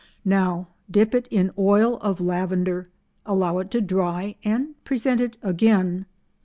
Now dip it in oil of lavender, allow it to dry, and present it again.